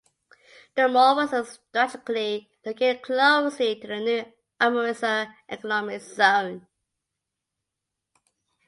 The mall was strategically located closely to the New Amritsar economic zone.